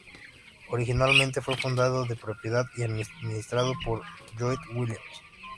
Originalmente fue fundado, de propiedad y administrado por Lloyd Williams.